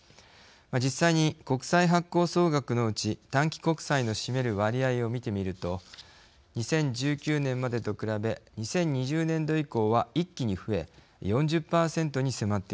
実際に国債発行総額のうち短期国債の占める割合を見てみると２０１９年までと比べ２０２０年度以降は一気に増え４０％に迫っています。